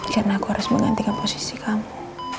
karena aku harus menggantikan posisi kamu